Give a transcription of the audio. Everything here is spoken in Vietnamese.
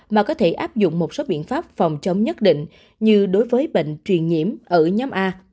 mà có thể áp dụng một số biện pháp phòng chống nhất định như đối với bệnh truyền nhiễm ở nhóm a